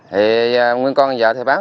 thì nguyên con giờ thì bán